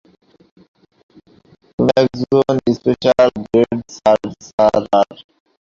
তুমি একজন special grade সর্সারার।